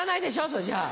それじゃ。